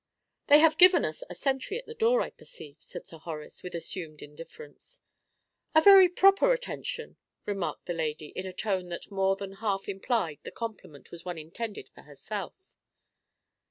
"They have given us a sentry at the door, I perceive," said Sir Horace, with assumed indifference. "A very proper attention!" remarked the lady, in a tone that more than half implied the compliment was one intended for herself.